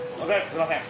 すいません。